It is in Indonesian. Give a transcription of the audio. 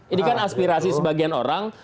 ini kan aspirasi sebagian orang